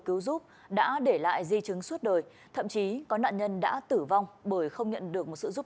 cứu giúp đã để lại di chứng suốt đời thậm chí có nạn nhân đã tử vong bởi không nhận được một sự giúp